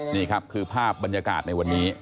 นี่ครับคือภาพบรรยากาศในวันนี้